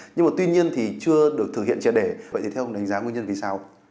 nhưng mà tuy nhiên thì chưa được thực hiện triệt để vậy thì theo ông đánh giá nguyên nhân vì sao